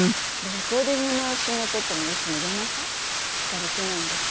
レコーディングの仕事っていうのはいつも夜中しかできないんですけど。